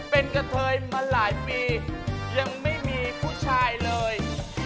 เป็นกะเทยมาหลายปียังไม่มีผู้ชายเลย